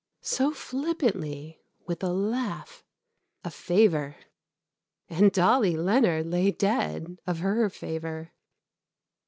So flippantly with a laugh. "A favor!" And Dolly Leonard lay dead of her favor!